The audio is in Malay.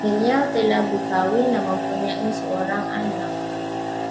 Beliau telah berkahwin dan mempunyai seorang anak